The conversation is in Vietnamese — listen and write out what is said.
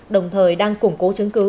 đồng thời đang củng cố chứng cứ